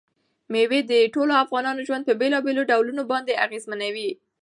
مېوې د ټولو افغانانو ژوند په بېلابېلو ډولونو باندې اغېزمنوي.